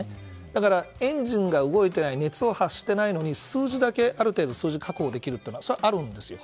だからエンジンが動いていない熱を発してないのに数字だけある程度確保できるというのはあるんですよ。